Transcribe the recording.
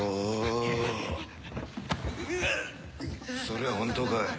そりゃ本当かい？